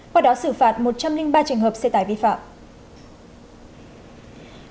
qua đó xử phạt một trăm linh ba trường hợp xe tải vi phạm